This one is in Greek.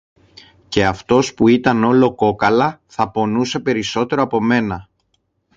Και αυτός, που ήταν όλο κόκαλα, θα πονούσε περισσότερο από μένα